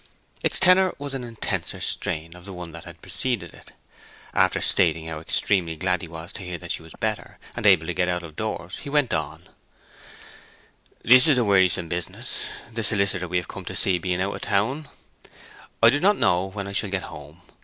Its tenor was an intenser strain of the one that had preceded it. After stating how extremely glad he was to hear that she was better, and able to get out of doors, he went on: "This is a wearisome business, the solicitor we have come to see being out of town. I do not know when I shall get home.